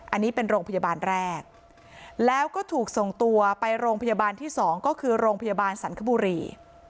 อันนี้เป็นโรงพยาบาลแรกแล้วก็ถูกส่งตัวไปโรงพยาบาลที่๒ก็คือโรงพยาบาลสันคบุรี